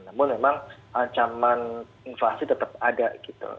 namun memang ancaman inflasi tetap ada gitu